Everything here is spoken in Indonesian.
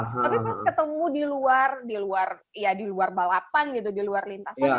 tapi pas ketemu di luar ya di luar balapan gitu di luar lintasan